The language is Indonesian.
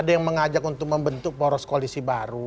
ada yang mengajak untuk membentuk poros koalisi baru